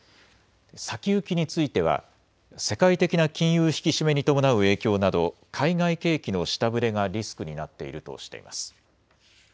先行きについては世界的な金融引き締めに伴う影響など海外景気の下振れがリスクになっているとしています。